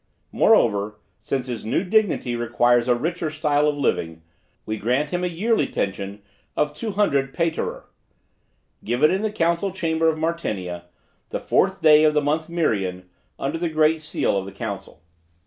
Moreover, since his new dignity requires a richer style of living, we grant him a yearly pension of two hundred patarer. Given in the council chamber of Martinia, the fourth day of the month Merian, under the great seal of the Council."